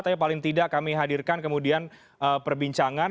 tapi paling tidak kami hadirkan kemudian perbincangan